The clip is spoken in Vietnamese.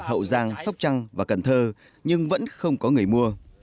hậu giang sóc trăng và cần thơ nhưng vẫn không có người mua